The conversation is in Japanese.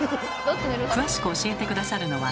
詳しく教えて下さるのは